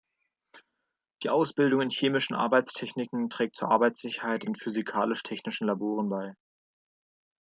Die Ausbildung in chemischen Arbeitstechniken trägt zur Arbeitssicherheit in physikalisch-technischen Laboren bei.